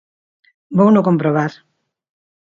Vouno comprobar.